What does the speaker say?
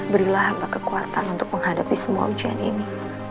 berilah kekuatan untuk menghadapi semua ujian ini